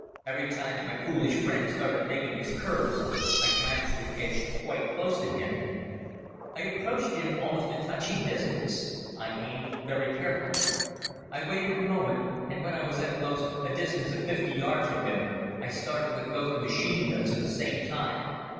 Everytime my foolish friend started making his curves I gradually edged quite close to him. I approached him almost to touching distance. I aimed very carefully. I waited a moment and when I was at most at a distance of fifty yards from him I started with both the machine guns at the same time.